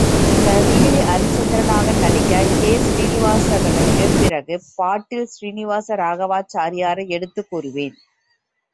தெலுங்கில் ஹரிச்சந்திரனாக நடித்த கே. ஸ்ரீனிவாசனுக்குப் பிறகு, பாட்டில் ஸ்ரீனிவாச ராகவாச்சாரியாரை எடுத்துக் கூறுவேன்.